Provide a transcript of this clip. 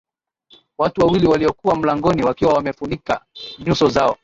Watu wawili waliokuwa mlangoni wakiwa wamefunika nyuso zao